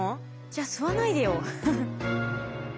じゃあ吸わないでよ。